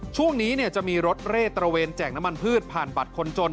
ช่วงนี้จะมีรถเร่ตระเวนแจกน้ำมันพืชผ่านบัตรคนจน